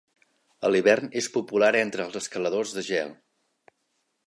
A l'hivern és popular entre els escaladors de gel.